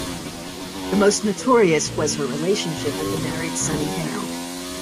The most notorious was her relationship with the married Sonnie Hale.